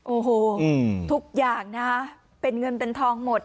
โอ้โหทุกอย่างนะคะเป็นเงินเป็นทองหมด